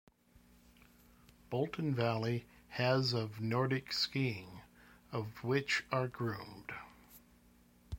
Bolton Valley has of nordic skiing, of which are groomed.